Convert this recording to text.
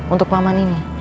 untuk paman ini